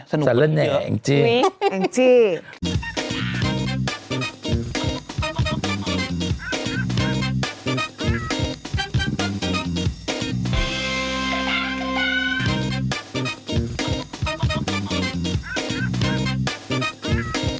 สนุกกันเยอะสนุกกันเยอะแสดงแหละแอ่งจิ